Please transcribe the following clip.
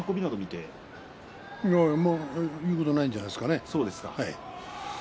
言うことないんじゃないですか。